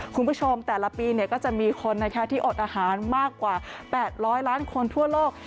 คุณผู้ชมแต่ละปีก็จะมีคนที่อดอาหารมากกว่า๘๐๐ล้านคนทั่วโลก